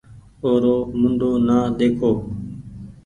اورو منڍو نآ ۮيکو